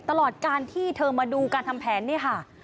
ตลอดการที่เธอมาดูการทำแผนนี่ค่ะ